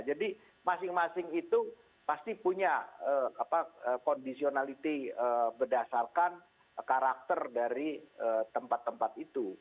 jadi masing masing itu pasti punya kondisionalitas berdasarkan karakter dari tempat tempat itu